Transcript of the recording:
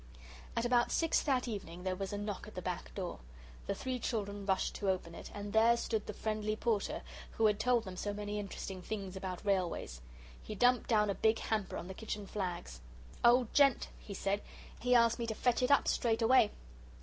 At about six that evening there was a knock at the back door. The three children rushed to open it, and there stood the friendly Porter, who had told them so many interesting things about railways. He dumped down a big hamper on the kitchen flags. "Old gent," he said; "he asked me to fetch it up straight away."